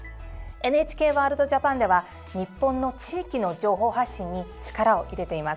「ＮＨＫワールドＪＡＰＡＮ」では日本の地域の情報発信に力を入れています。